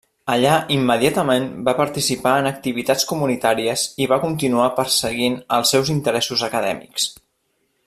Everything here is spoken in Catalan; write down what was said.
Allà, immediatament va participar en activitats comunitàries i va continuar perseguint els seus interessos acadèmics.